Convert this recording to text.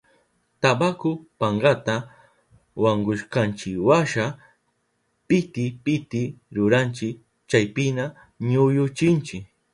Tabaku pankata wankushkanchiwasha piti piti ruranchi, chaypiña ñuyuchinchi.